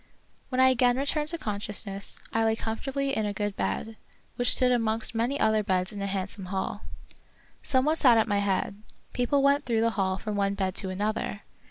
When I again returned to consciousness, I lay comfortably in a good bed, which stood amongst many other beds in a handsome hall. Some one sat at my head ; people went through the hall from one bed to another.